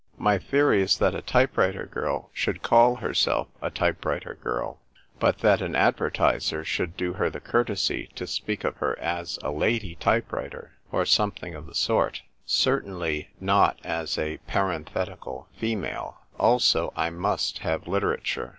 My theory is that a type writer girl should call herself a type writer girl ; but that an advertiser should do her the courtesy to speak of her as a Lady Type writer, or something of the sort : cer A SAIL ON THE HORIZON. II/ tainly not as a (parenthetical) female. Also, I must have literature.